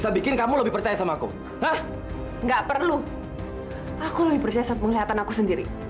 aku lebih prosesor penglihatan aku sendiri